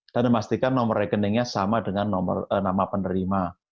dan memastikan nomor rekeningnya sama dengan nama penerima